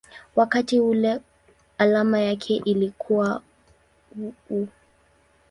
wakati ule alama yake ilikuwa µµ.